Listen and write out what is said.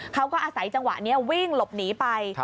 เขาก็อาศัยจังหวะนี้วิ่งหลบหนีไป